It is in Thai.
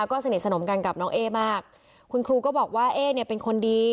ก็สนิทสนมกันกับน้องเอ๊มากคุณครูก็บอกว่าเอ๊เนี่ยเป็นคนดี